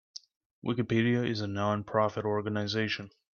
Wikipedia is a non-profit organization.